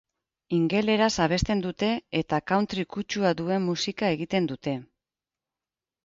Ingeleraz abesten dute eta country kutxua duen musika egiten dute.